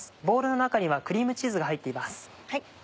ボウルの中にはクリームチーズが入っています。